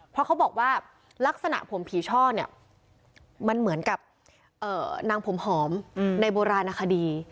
เพราะเขาบอกว่าลักษณะผมผีช่อเนี่ยมันเหมือนกับนางผมหอมในโบราณคดี